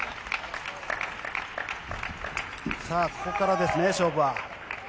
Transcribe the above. さあ、ここからですね勝負は。